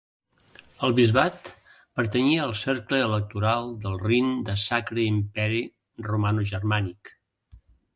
El bisbat pertanyia al Cercle Electoral del Rin de Sacre Imperi Romanogermànic.